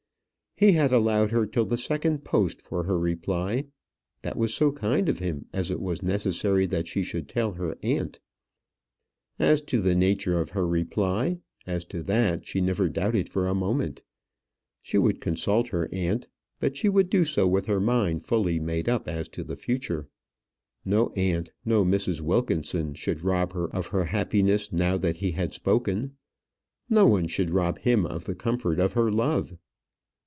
He had allowed her till the second post for her reply. That was so kind of him, as it was necessary that she should tell her aunt. As to the nature of her reply as to that she never doubted for a moment. She would consult her aunt; but she would do so with her mind fully made up as to the future. No aunt, no Mrs. Wilkinson, should rob her of her happiness now that he had spoken. No one should rob him of the comfort of her love!